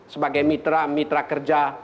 sebagai mitra mitra kerja